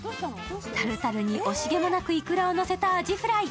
タルタルに惜しげもなくいくらをのせたアジフライ。